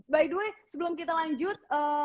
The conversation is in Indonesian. by the way sebelum kita lanjut